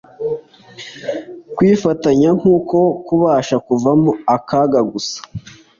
Kwifatanya nkuko kubasha kuvamo akaga gusa.